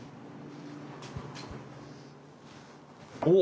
お！